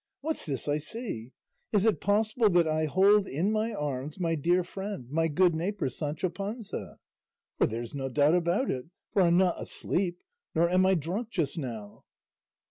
What's this I see? Is it possible that I hold in my arms my dear friend, my good neighbour Sancho Panza? But there's no doubt about it, for I'm not asleep, nor am I drunk just now."